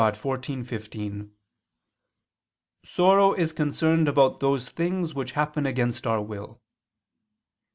Dei xiv, 15), "sorrow is concerned about those things which happen against our will."